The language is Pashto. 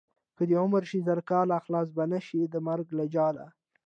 که دې عمر شي زر کاله خلاص به نشې د مرګ له جاله.